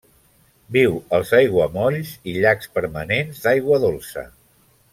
Viu als aiguamolls i llacs permanents d'aigua dolça.